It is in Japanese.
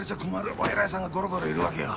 お偉いさんがゴロゴロいるわけよ。